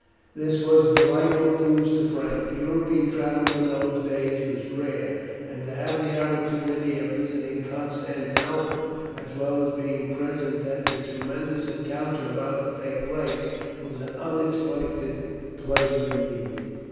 This was delightful news to Frank. European travel in those days was rare, and to have the opportunity of visiting Constantinople, as well as being present at the tremendous encounter about to take place, was an unexpected pleasure indeed.